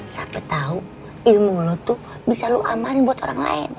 sampai tahu ilmu lo tuh bisa lo amalin buat orang lain